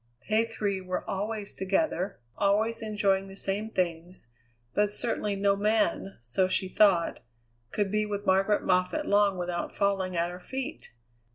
They three were always together, always enjoying the same things, but certainly no man, so she thought, could be with Margaret Moffatt long without falling at her feet.